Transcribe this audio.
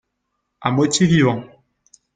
à moitié vivant.